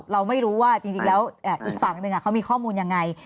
เราไม่รู้ว่าจริงแล้วอีกฝั่งหนึ่งเขามีข้อมูลยังไง